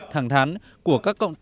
thẳng thán của các cộng đồng